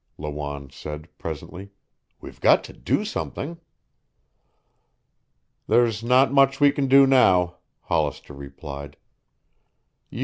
Lawanne said presently. "We've got to do something." "There's not much we can do, now," Hollister replied.